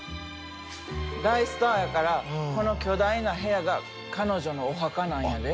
大スターやからこの巨大な部屋が彼女のお墓なんやで。